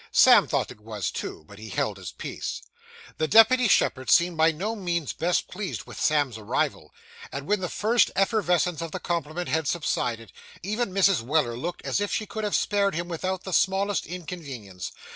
Sam thought it was, too, but he held his peace. The deputy shepherd seemed by no means best pleased with Sam's arrival; and when the first effervescence of the compliment had subsided, even Mrs. Weller looked as if she could have spared him without the smallest inconvenience.